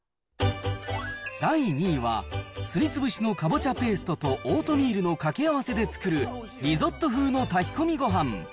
第２位は、すりつぶしのかぼちゃペーストとオートミールの掛け合わせで作るリゾット風の炊き込みご飯。